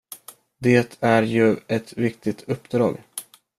Det är ju ett viktigt uppdrag.